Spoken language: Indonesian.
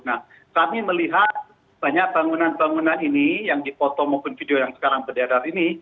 nah kami melihat banyak bangunan bangunan ini yang dipoto maupun video yang sekarang beredar ini